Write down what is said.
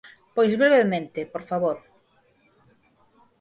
Pois brevemente, por favor.